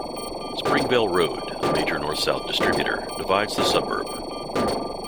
Springvale Road, a major north-south distributor, divides the suburb.